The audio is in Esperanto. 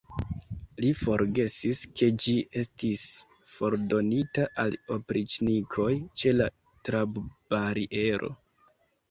Li forgesis, ke ĝi estis fordonita al opriĉnikoj ĉe la trabbariero.